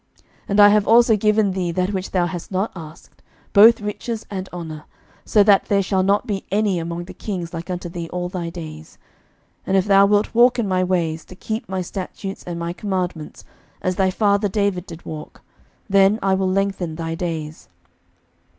11:003:013 And I have also given thee that which thou hast not asked, both riches, and honour: so that there shall not be any among the kings like unto thee all thy days. 11:003:014 And if thou wilt walk in my ways, to keep my statutes and my commandments, as thy father David did walk, then I will lengthen thy days.